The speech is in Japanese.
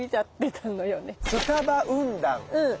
うん。